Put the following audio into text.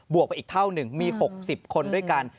วกไปอีกเท่าหนึ่งมี๖๐คนด้วยกัน